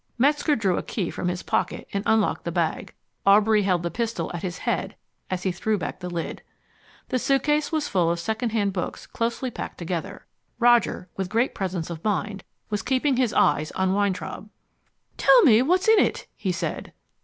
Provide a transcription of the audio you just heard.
Metzger drew a key from his pocket and unlocked the bag. Aubrey held the pistol at his head as he threw back the lid. The suitcase was full of second hand books closely packed together. Roger, with great presence of mind, was keeping his eyes on Weintraub. "Tell me what's in it," he said.